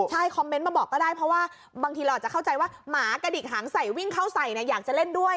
ใช่คอมเมนต์มาบอกก็ได้เพราะว่าบางทีเราอาจจะเข้าใจว่าหมากระดิกหางใส่วิ่งเข้าใส่เนี่ยอยากจะเล่นด้วย